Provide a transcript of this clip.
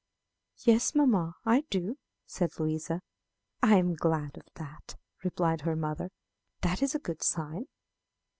"Yes, mamma, I do," said Louisa. "I am glad of that," replied her mother; "that is a good sign."